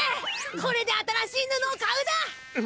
これで新しいぬのを買うだ！